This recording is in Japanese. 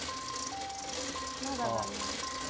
まだだな。